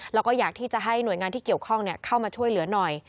แล้วก็อยากที่จะให้หน่วยงานที่เกี่ยวข้องเข้ามาช่วยเหลือหน่อย